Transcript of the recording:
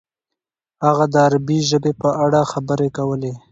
هغه د عربي ژبې په اړه خبرې کولې.